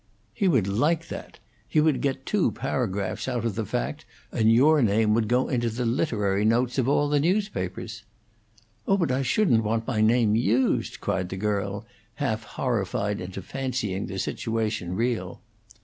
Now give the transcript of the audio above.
"He would like that. He would get two paragraphs out of the fact, and your name would go into the 'Literary Notes' of all the newspapers." "Oh, but I shouldn't want my name used!" cried the girl, half horrified into fancying the situation real.